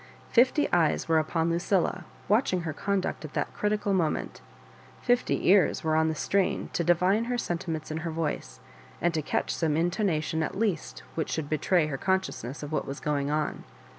Fifty eyes were upon Lucilla watching her conduct at that critical moment — ^fifty ears were on the strain to divine her sentiments in her voice, and to catch some intonation at least which should betray her consciousness of what was going on.